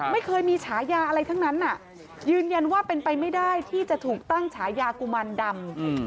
ไม่เคยมีฉายาอะไรทั้งนั้นยืนยันว่าเป็นไปไม่ได้ที่จะถูกตั้งฉายากุมารดำ